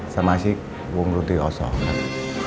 สมาชิกวงรุ่นตืออสครับ